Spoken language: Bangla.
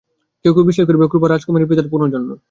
কেউ কেউ বিশ্বাস করে ক্রুবা, রাজকুমারীর পিতার পুনর্জন্ম।